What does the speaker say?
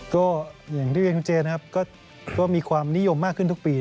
ก็อย่างที่เรียนคุณเจนนะครับก็มีความนิยมมากขึ้นทุกปี